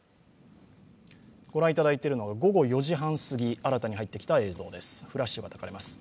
ご覧いただいているのは午後４時半すぎ、新たに入ってきた映像です、フラッシュがたかれます。